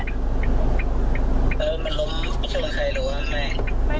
เออมันล้มชนใครหรือว่าแม่ง